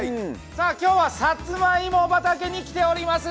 今日はサツマイモ畑に来ております。